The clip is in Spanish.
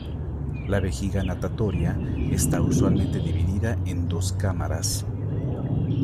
La vejiga natatoria esta usualmente dividida en dos cámaras.